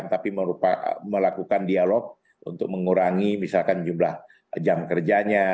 tapi melakukan dialog untuk mengurangi misalkan jumlah jam kerjanya